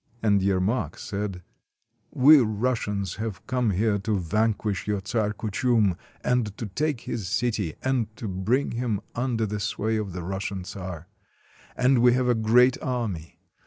And Yermak said :— "We Russians have come here to vanquish your Czar Kuchum, and to take his city, and to bring him under the sway of the Russian czar. And we have a great army.